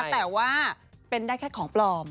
แต่ว่าเป็นได้แค่ของปลอม